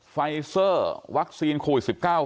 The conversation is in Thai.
ไฟเซอร์วัคซีนโควิด๑๙